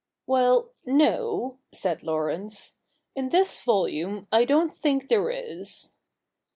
' Well — no,' said Laurence ;' in this volume I don't think there is.'